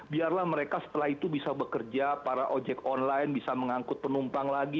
biarlah mereka setelah itu bisa bekerja para ojek online bisa mengangkut penumpang lagi